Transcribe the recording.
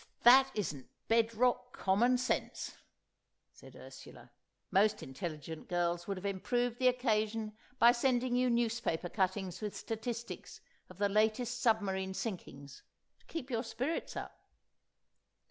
"If that isn't bed rock common sense," said Ursula. "Most intelligent girls would have improved the occasion by sending you newspaper cuttings with statistics of the latest submarine sinkings, to keep your spirits up."